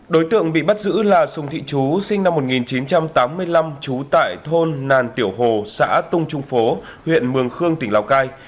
đối tượng bị bắt giữ là sùng thị chú sinh năm một nghìn chín trăm tám mươi năm trú tại thôn nàn tiểu hồ xã tung trung phố huyện mường khương tỉnh lào cai